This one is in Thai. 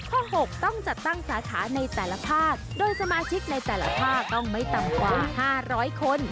หกต้องจัดตั้งสาขาในแต่ละภาคโดยสมาชิกในแต่ละภาคต้องไม่ต่ำกว่า๕๐๐คน